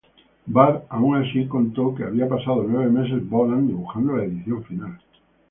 Barr aún así contó que había pasado nueve meses Bolland dibujando la edición final.